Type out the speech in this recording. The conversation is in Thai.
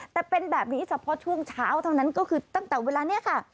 แต่เป็นแบบนี้เฉพาะช่วงเช้าเท่านั้นก็คือตั้งแต่เวลานี้ค่ะ